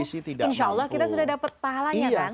insya allah kita sudah dapat pahalanya kan